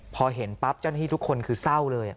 พอเห็นปั๊บเจ้าหน้าที่ทุกคนคือเศร้าเลย